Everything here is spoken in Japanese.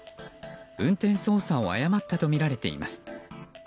運転操作を誤ったとみられています。